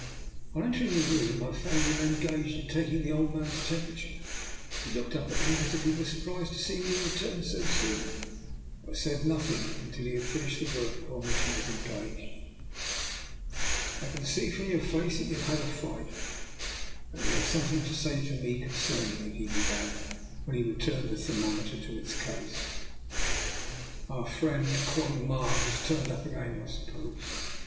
On entering the room, I found him en gaged in taking the old man's temperature. He looked up at me as if he were surprised to see me return so soon, but said nothing until he had finished the work upon which he was engaged. " I can see from your face that you have had a fright, and that you have something to say to me concerning it,'' he began, when he had returned the thermometer to its case. 226 DR. NIKOLA'S EXPERIMENT. " Our friend Qoung Ma has turned up again, I suppose?